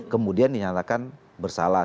kemudian dinyatakan bersalah